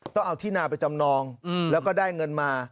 ต้องเอาที่นาไปจำนองแล้วก็ได้เงินมา